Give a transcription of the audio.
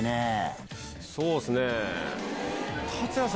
そうっすね。